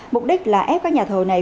mục đích là ép các nhà thầu này